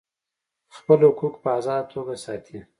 خپل حقوق په آزاده توګه ساتي.